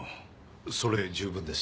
それで十分です。